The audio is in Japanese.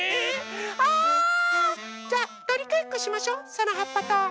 あじゃあとりかえっこしましょうそのはっぱと。ね？